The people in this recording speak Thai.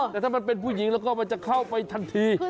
แต่ถ้ามันเป็นผู้หญิงแล้วก็มันจะเข้าไปทันที